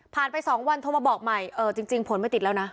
ไป๒วันโทรมาบอกใหม่เออจริงผลไม่ติดแล้วนะ